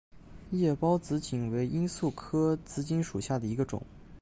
叶苞紫堇为罂粟科紫堇属下的一个种。